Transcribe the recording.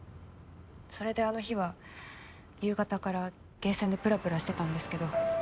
それであの日は夕方からゲーセンでぷらぷらしてたんですけど。